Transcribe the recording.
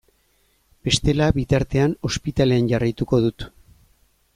Bestela, bitartean, ospitalean jarraituko dut.